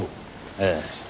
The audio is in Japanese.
ええ。